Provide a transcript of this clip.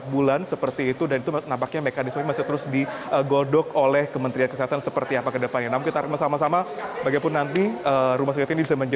baik dari bagaimana